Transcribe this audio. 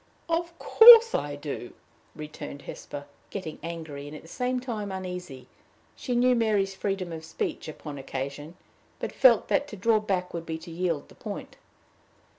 "Of course, I do," returned Hesper, getting angry, and at the same time uneasy: she knew Mary's freedom of speech upon occasion, but felt that to draw back would be to yield the point.